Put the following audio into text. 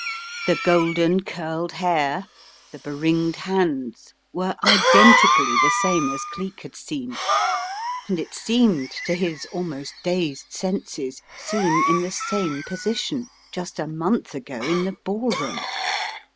The golden, curled hair, the beringed hands were identically the same as Cleek had seen, and it seemed to his almost dazed senses, seen in the same position — just a month ago in the ballroom!